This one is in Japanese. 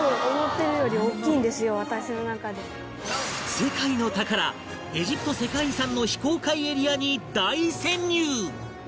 世界の宝エジプト世界遺産の非公開エリアに大潜入！